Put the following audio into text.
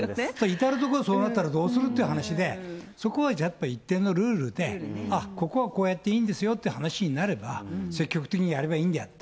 至る所にそうなったらどうするって話で、そこはやっぱり一定のルールで、あっ、ここはこうやっていいんですよっていう話になれば、積極的にやれそうですね。